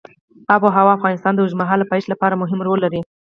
آب وهوا د افغانستان د اوږدمهاله پایښت لپاره مهم رول لري.